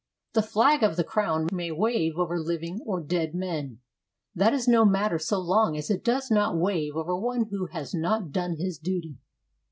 The flag of the Crown may wave over living or dead men; that is no matter so long as it does not wave over one who has not done his duty."